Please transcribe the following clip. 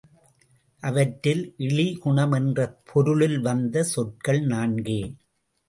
அவற்றில் இழி குணம் என்ற பொருளில் வந்த சொற்கள் நான்கே.